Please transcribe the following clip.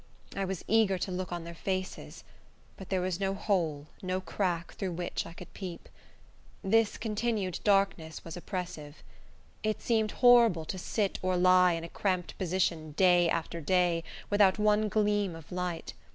I was eager to look on their faces; but there was no hole, no crack, through which I could peep. This continued darkness was oppressive. It seemed horrible to sit or lie in a cramped position day after day, without one gleam of light.